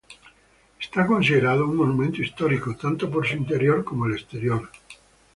Está considerado un monumento histórico, tanto por su interior como el exterior.